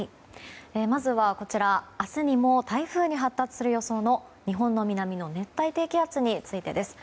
まずは、明日にも台風に発達する予想の日本の南の熱帯低気圧についてです。